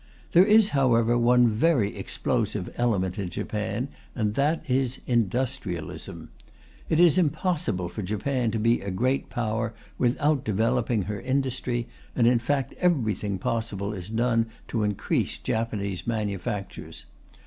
There is, however, one very explosive element in Japan, and that is industrialism. It is impossible for Japan to be a Great Power without developing her industry, and in fact everything possible is done to increase Japanese manufactures.